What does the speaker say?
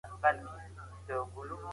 د کتاب په هره پاڼه کي پوهه ده.